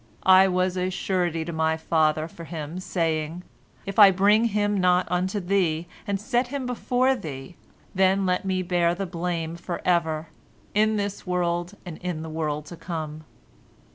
I was a surety to my father for him, saying, If I bring him not unto thee, and set him before thee, then let me bear the blame forever, in this world and in the world to come.